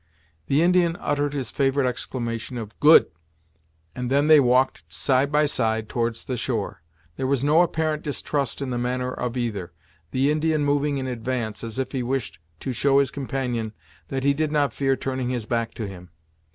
The Indian uttered his favorite exclamation of "Good!" and then they walked side by side, towards the shore. There was no apparent distrust in the manner of either, the Indian moving in advance, as if he wished to show his companion that he did not fear turning his back to him.